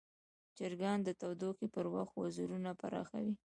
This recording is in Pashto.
چرګان د تودوخې پر وخت وزرونه پراخوي.